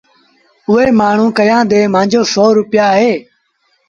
اُئي مآڻهوٚٚݩ ڪهيآݩدي مآݩجو سو روپيآ اهي